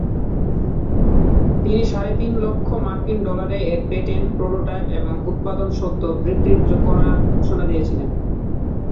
তিনি সাড়ে তিন লক্ষ মার্কিন ডলারে এর পেটেন্ট, প্রোটোটাইপ, এবং উৎপাদন স্বত্ব বিক্রির করার ঘোষণা দিয়েছিলেন।